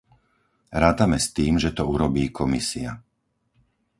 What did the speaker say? Rátame s tým, že to urobí Komisia.